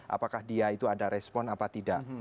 apakah dia itu ada respon apa tidak